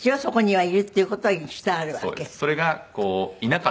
はい。